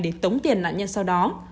để trúng tiền nạn nhân sau đó